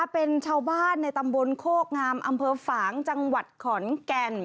เป็นชาวบ้านในตำบลโคกงามอำเภอฝางจังหวัดขอนแก่น